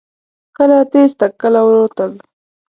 کله تیز تګ، کله ورو تګ.